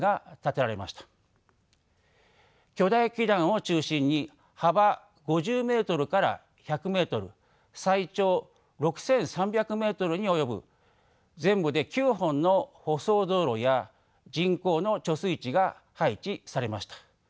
巨大基壇を中心に幅５０ｍから１００ｍ最長６，３００ｍに及ぶ全部で９本の舗装道路や人工の貯水池が配置されました。